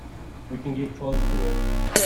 We can get close to it.